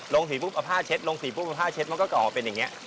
ลงสีปุ๊บเอาผ้าเช็ดลงสีปุ๊บเอาผ้าเช็ดมันก็จะออกเป็นอย่างนี้